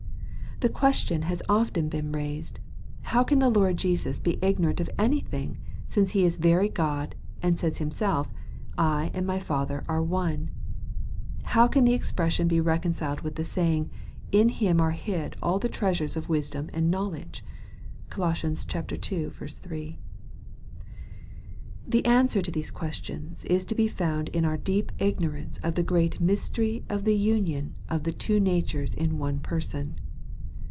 The question has often been raised, " How can the Lord Jesus be ignorant of any thing, since He is very God, and says himself, ' I and my Father are one ?' How can the expression be reconciled with the saying, ' In Him are hid all the treasures of wisdom and knowledge ?'" (Col. ii. 3.) The answer to these questions is to be found in our deep ignorance of the great mystery of the union of two natures in one Person.